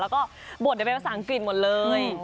แล้วก็บทถึงภาษาอังกฤษหมดเลย